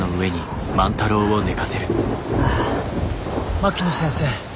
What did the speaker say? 槙野先生。